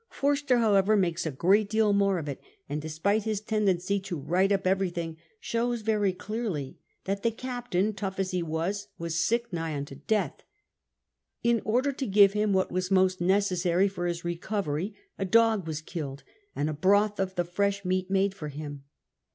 Forster, however, makes a great deal more of it, and despite his tendency to "write up" everything, shows very clearly that the captain, tough as he was, was sic.k nigh unto death. In oi dci; to give him what was iriost neces sary for his recovery a <log was killed, and a broth of the fresh meat made for him.